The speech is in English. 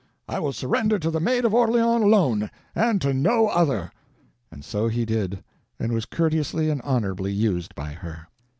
I will surrender to the Maid of Orleans alone, and to no other." And so he did; and was courteously and honorably used by her.